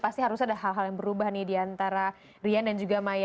pasti harus ada hal hal yang berubah nih diantara rian dan juga maya